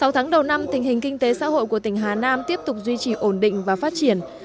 sáu tháng đầu năm tình hình kinh tế xã hội của tỉnh hà nam tiếp tục duy trì ổn định và phát triển